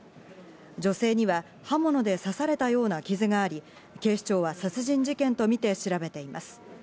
女性には刃物で刺されたような傷があり、警視庁は殺人事件とみて調べています。